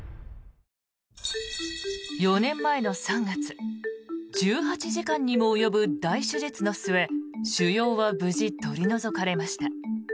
４年前の３月１８時間にも及ぶ大手術の末腫瘍は無事、取り除かれました。